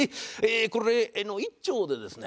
これ１丁でですね